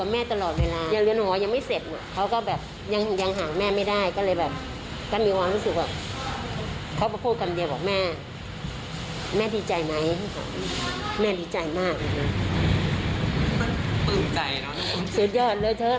แม่ดีใจไหมแม่ดีใจมากปื้มใจเนอะสุดยอดเลยเธอ